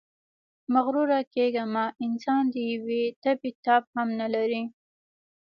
مغروره کېږئ مه، انسان د یوې تبې تاب هم نلري.